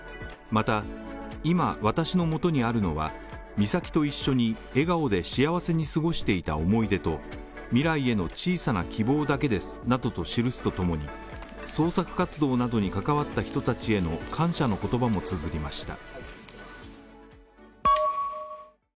また、今、私のもとにあるのは、美咲と一緒に笑顔で幸せに過ごしていた想い出と未来への小さな希望だけですなどと記すとともに、捜索活動などに関わった人たちへの感謝の言葉もつづりました。